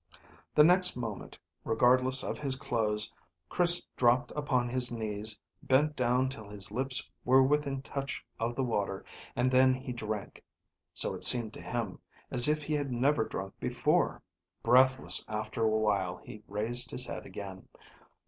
The next moment, regardless of his clothes, Chris dropped upon his knees, bent down till his lips were within touch of the water, and then he drank, so it seemed to him, as he had never drunk before. Breathless after a while he raised his head again.